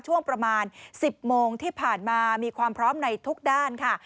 ช่วงประมาณ๑๐โมงที่ผ่านมามีความพร้อมในทุกด้านค่ะ